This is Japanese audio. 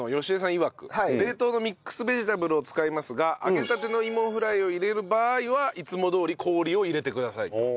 いわく冷凍のミックスベジタブルを使いますが揚げたてのいもフライを入れる場合はいつもどおり氷を入れてくださいと。